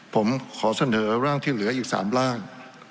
ผมขอเสนอร่างที่เหลืออยู่๓ร่าง